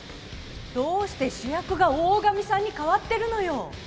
どうして主役が大神さんに代わってるのよ！